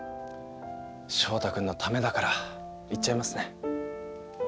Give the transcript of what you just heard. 翔太君のためだから言っちゃいますね。